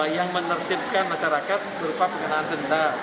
yang menertibkan masyarakat berupa pengenaan denda